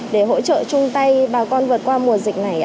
để hỗ trợ chung tay bà con vượt qua mùa dịch này ạ